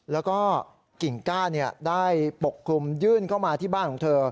แล้วก็กิ่งก้าได้ปกคลุมยื่นเข้ามาที่บ้านของเธอ